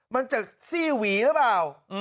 มันจากซี่หวีหรือเปล่า